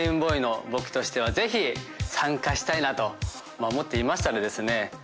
ＫａｉｕｎＢｏｙの僕としてはぜひ参加したいなと思っていましたらですね